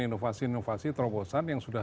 inovasi inovasi terobosan yang sudah